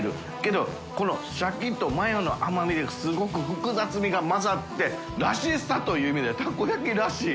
韻このシャキとマヨの甘味ですごく複雑味が混ざって蕕靴気箸いΠ嫐たこ焼きらしい。